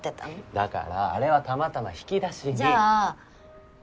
だからあれはたまたま引き出しにじゃあ